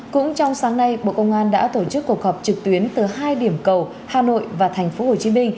cũng trong sáng nay bộ công an đã tổ chức cuộc họp trực tuyến từ hai điểm cầu hà nội và tp hcm